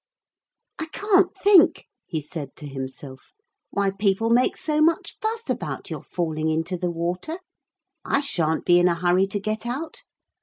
'I can't think,' he said to himself, 'why people make so much fuss about your falling into the water. I sha'n't be in a hurry to get out.